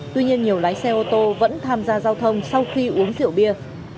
tuy nhiên nhiều lái xe ô tô vẫn tham gia giao thông sau khi uống rượu bia